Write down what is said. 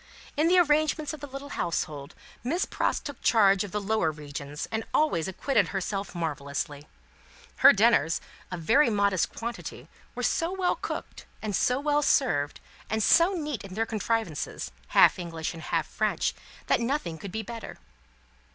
In the arrangements of the little household, Miss Pross took charge of the lower regions, and always acquitted herself marvellously. Her dinners, of a very modest quality, were so well cooked and so well served, and so neat in their contrivances, half English and half French, that nothing could be better.